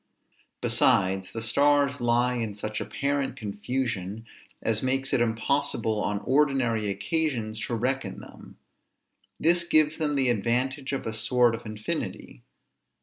Besides, the stars lie in such apparent confusion, as makes it impossible on ordinary occasions to reckon them. This gives them the advantage of a sort of infinity.